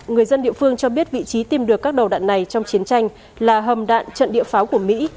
người dân địa phương cho biết vị trí tìm được các đầu đạn này trong chiến tranh là hầm đạn trận địa pháo của mỹ